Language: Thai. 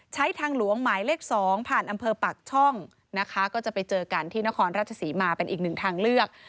ทางหลวงหมายเลข๒ผ่านอำเภอปากช่องนะคะก็จะไปเจอกันที่นครราชศรีมาเป็นอีกหนึ่งทางเลือก